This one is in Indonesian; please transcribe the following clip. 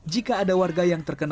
jika ada warga yang terkena